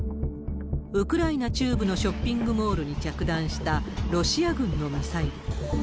ウクライナ中部のショッピングモールに着弾したロシア軍のミサイル。